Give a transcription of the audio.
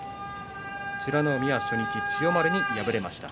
美ノ海は初日千代丸に敗れました。